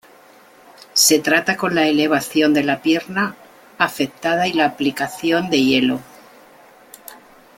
Se trata con la elevación de la pierna afectada y la aplicación de hielo.